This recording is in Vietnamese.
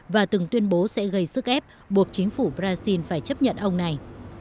và từng tuyên bố sẽ gây sức ép buộc chính phủ brazil phải chấp nhận ông này